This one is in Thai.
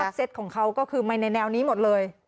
เซตของเขาก็คือมาในแนวนี้หมดเลย